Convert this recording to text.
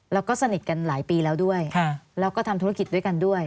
แล้วก็สนิทกันหลายปีแล้วด้วยแล้วก็ทำธุรกิจด้วยกันด้วย